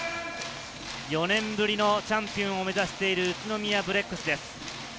４年ぶりのチャンピオンを目指している宇都宮ブレックスです。